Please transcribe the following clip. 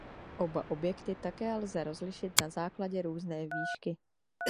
Oba objekty také lze rozlišit na základě různé výšky.